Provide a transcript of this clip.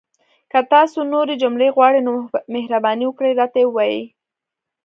که تاسو نورې جملې غواړئ، نو مهرباني وکړئ راته ووایئ!